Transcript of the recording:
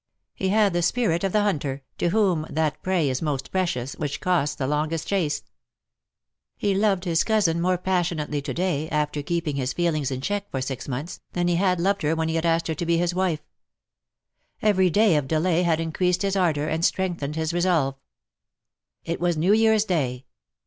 He had the spirit of the hunter, to whom that prey is most precious which costs the longest chase. He loved his cousin more passionately to day, after keeping his feelings in check for six months, than he had loved her when he asked her to be his wife. Every day of delay had increased his ardour and strengthened his resolve. It was New Yearns day.